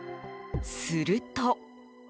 すると。